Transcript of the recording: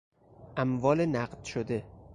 اموال نقد شده